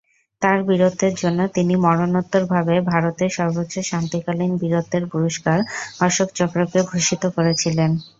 তাঁর বীরত্বের জন্য, তিনি মরণোত্তর ভাবে ভারতে সর্বোচ্চ শান্তিকালীন বীরত্বের পুরস্কার অশোক চক্রকে ভূষিত করেছিলেন।